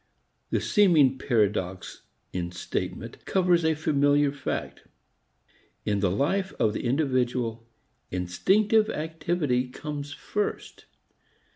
The seeming paradox in statement covers a familiar fact. In the life of the individual, instinctive activity comes first.